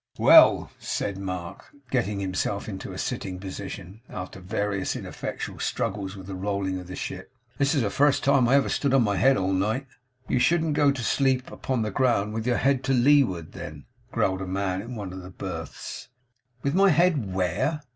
'Well!' said Mark, getting himself into a sitting posture, after various ineffectual struggles with the rolling of the ship. 'This is the first time as ever I stood on my head all night.' 'You shouldn't go to sleep upon the ground with your head to leeward then,' growled a man in one of the berths. 'With my head to WHERE?